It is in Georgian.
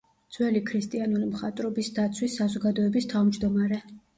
ძველი ქრისტიანული მხატვრობის დაცვის საზოგადოების თავმჯდომარე.